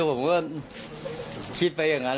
ผมก็คิดไปอย่างนั้น